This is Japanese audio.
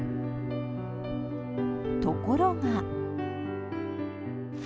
ところが。